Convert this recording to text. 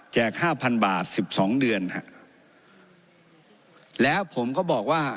ห้าพันบาทสิบสองเดือนฮะแล้วผมก็บอกว่า